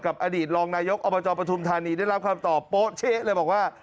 อดีตรองนายกอบจปฐุมธานีได้รับคำตอบโป๊ะเช๊ะเลยบอกว่า